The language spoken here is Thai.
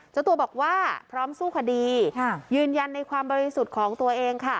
เจ้าตัวบอกว่าพร้อมสู้คดียืนยันในความบริสุทธิ์ของตัวเองค่ะ